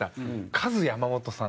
カズ山本さん。